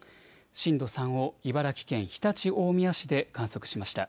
震度３を茨城県常陸大宮市で観測しました。